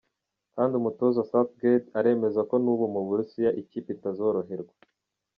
Kandi umutoza Southgate aremeza ko n'ubu mu Burusiya, ikipe ye itazoroherwa.